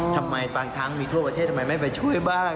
ปางช้างมีทั่วประเทศทำไมไม่ไปช่วยบ้าน